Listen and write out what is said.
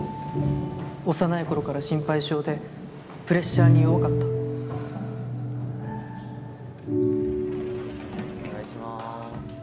幼い頃から心配性でプレッシャーに弱かったお願いします。